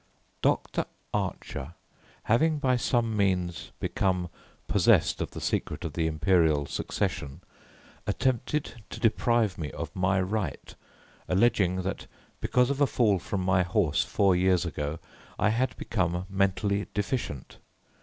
"Dr. Archer, having by some means become possessed of the secret of the Imperial Succession, attempted to deprive me of my right, alleging that because of a fall from my horse four years ago, I had become mentally deficient.